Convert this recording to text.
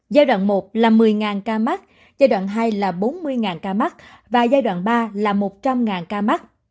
giai đoạn một là một mươi ca mắc giai đoạn hai là bốn mươi ca mắc và giai đoạn ba là một trăm linh ca mắc